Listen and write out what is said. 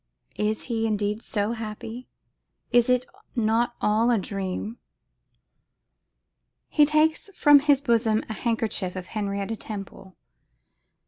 Is he indeed so happy; is it not all a dream? He takes from his bosom the handkerchief of Henrietta Temple.